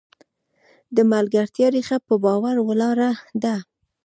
د ملګرتیا ریښه په باور ولاړه ده.